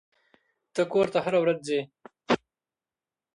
ته کور ته هره ورځ ځې.